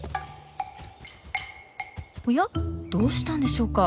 おやどうしたんでしょうか。